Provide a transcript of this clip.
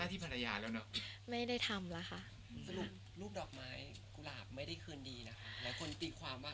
หลายคนตีความว่าเคลื่อนดี